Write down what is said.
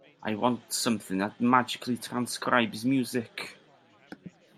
I want something that magically transcribes music.